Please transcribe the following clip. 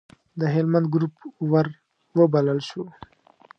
د هلمند ګروپ وروبلل شو.